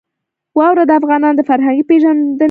واوره د افغانانو د فرهنګي پیژندنې برخه ده.